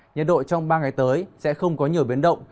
nhiệt độ trong ba ngày tới sẽ không có nhiều biến động